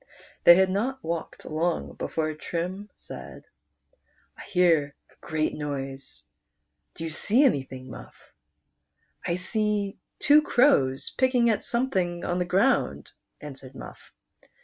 They had not walked long 154 PRINCE DORAN: before Trim said, " I hear a great noise. Do you see aii} thing, Muff?" " I see two crows picking at something on the ground," answered Muff.